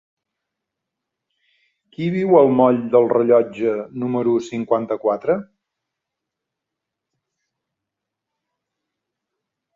Qui viu al moll del Rellotge número cinquanta-quatre?